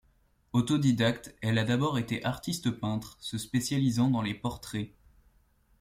Autodidacte, elle a d'abord été artiste peintre, se spécialisant dans les portraits.